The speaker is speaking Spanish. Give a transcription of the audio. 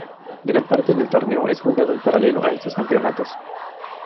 Gran parte del torneo es jugado en paralelo a estos campeonatos.